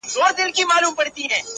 ویل ورک سه زما له مخي له درباره،!